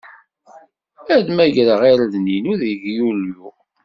Ad megreɣ irden-inu deg Yulyu.